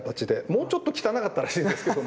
もうちょっと汚かったらしいですけども。